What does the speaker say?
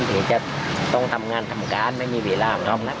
ใครต้องทำงานทำการไม่มีเวลา